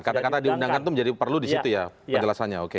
kata kata diundangkan itu menjadi perlu disitu ya penjelasannya oke